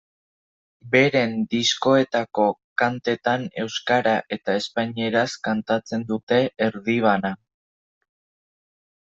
Beren diskoetako kantetan euskara eta espainieraz kantatzen dute erdi bana.